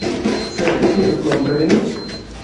Sed kiel kompreni?